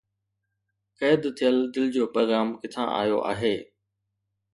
قيد ٿيل دل جو پيغام ڪٿان آيو آهي؟